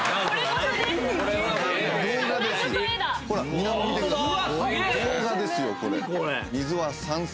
水面見てください。